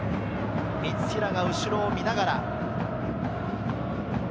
三平が後ろを見ながら。